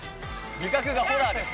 味覚がホラーです。